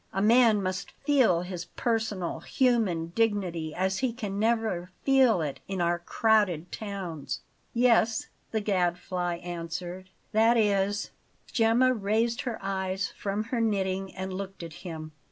A man must feel his personal, human dignity as he can never feel it in our crowded towns." "Yes," the Gadfly answered; "that is " Gemma raised her eyes from her knitting and looked at him.